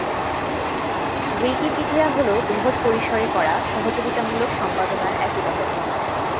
Wikipedia হল বৃহৎ পরিসরে করা সহযোগিতামূলক সম্পাদনার এক উদাহরণ।